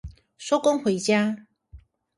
收工回家